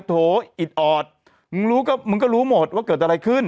โถ่อิทอศมึงก็รู้หมดว่าเกิดอะไรขึ้น